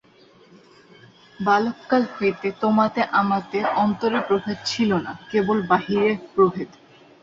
বালককাল হইতে তোমাতে আমাতে অন্তরে প্রভেদ ছিল না, কেবল বাহিরে প্রভেদ।